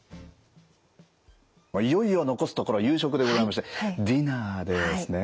いよいよ残すところ夕食でございましてディナーですね。